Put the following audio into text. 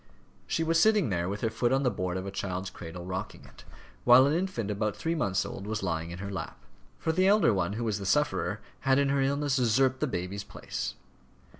She was sitting there with her foot on the board of a child's cradle, rocking it, while an infant about three months old was lying in her lap. For the elder one, who was the sufferer, had in her illness usurped the baby's place.